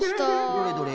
どれどれ？